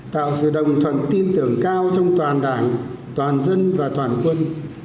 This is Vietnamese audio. tạo sự đồng thuận tin tưởng cao trong toàn đảng toàn dân và toàn quân